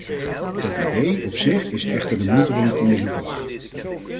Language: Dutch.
Het idee op zich is echter de moeite van het onderzoeken waard.